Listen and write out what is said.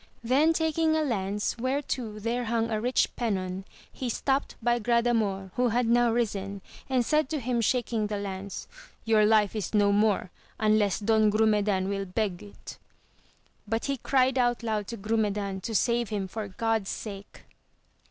Then taking a lance, whereto there hung a rich pennon, he stopt by Gradamor who had now risen, and said to him shaking the lance, Your life is no more, unless Don Grumedan will beg it ; but he cried out aloud to Grumedan to save him for God's sake.